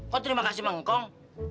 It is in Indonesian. kok terima kasih sama ngkong